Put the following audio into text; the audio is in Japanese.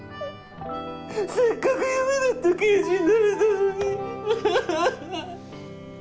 せっかく夢だった刑事になれたのに。